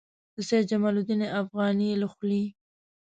د سید جمال الدین افغاني له خولې.